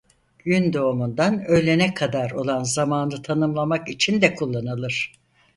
Gündoğumundan öğlene kadar olan zamanı tanımlamak için de kullanılır.